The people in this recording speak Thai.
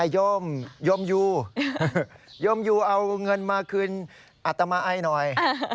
จมอยู่เอาเงินมาคืนอัตมาไอ้หน่อย